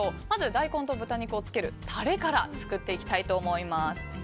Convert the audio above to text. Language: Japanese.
まず大根と豚肉を漬けるタレから作っていきたいと思います。